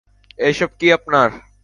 এসব কি আপনার?